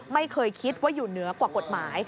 ไม่เคยคิดว่าอยู่เหนือกว่ากฎหมาย